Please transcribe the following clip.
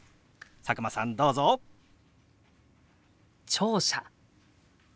聴者。